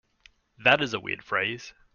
That is a weird phrase.